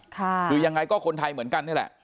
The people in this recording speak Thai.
คือยังไงก็คนไทยเหมือนกันนี่แหละ